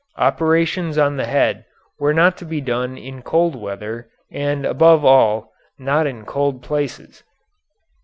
Operations on the head were not to be done in cold weather and, above all, not in cold places.